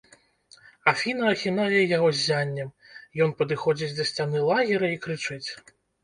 Афіна ахінае яго ззяннем, ён падыходзіць да сцяны лагера і крычыць.